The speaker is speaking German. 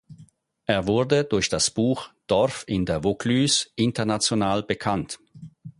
Er wurde durch das Buch "Dorf in der Vaucluse" international bekannt.